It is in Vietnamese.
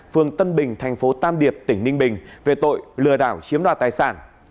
phường tân bình thành phố tam điệp tỉnh ninh bình về tội lừa đảo chiếm đoạt tài sản